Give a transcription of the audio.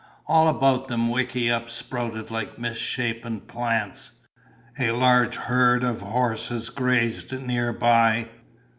All about them wickiups sprouted like misshapen plants. A large herd of horses grazed near by.